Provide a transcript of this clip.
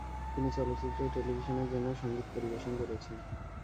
তিনি চলচ্চিত্র ও টেলিভিশনের জন্যও সংগীত পরিবেশন করেছেন।